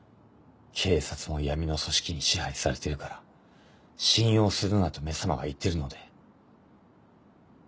警察も闇の組織に支配されてるから信用するなと「め様」が言ってるので。